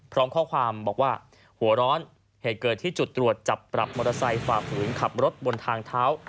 พร้อมข้อความบอกว่าหัวร้อนเหตุเกิดที่จุดตรวจจับปรับมอเตอร์ไซค์ฝ่าฝืนขับรถบนทางเท้า